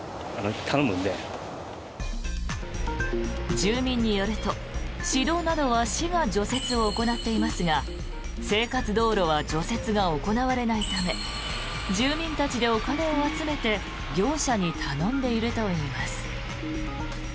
住民によると市道などは市が除雪を行っていますが生活道路は除雪が行われないため住民たちでお金を集めて業者に頼んでいるといいます。